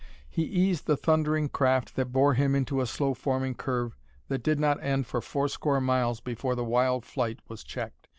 He eased the thundering craft that bore him into a slow forming curve that did not end for fourscore miles before the wild flight was checked.